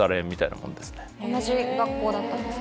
同じ学校だったんですか？